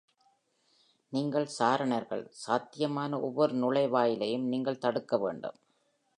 நீங்கள் சாரணர்கள், சாத்தியமான ஒவ்வொரு நுழைவாயிலையும் நீங்கள் தடுக்க வேண்டும்.